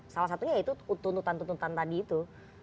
salah satunya itu tuntutan tuntutan tadi itu